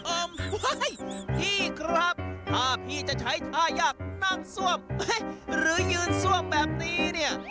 โอ้โหพี่ครับถ้าพี่จะใช้ท่ายากนั่งซ่วมหรือยืนซ่วมแบบนี้เนี่ย